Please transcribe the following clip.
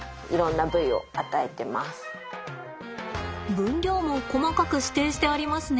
分量も細かく指定してありますね。